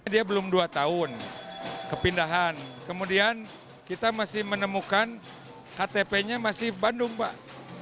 dia belum dua tahun kepindahan kemudian kita masih menemukan ktp nya masih bandung pak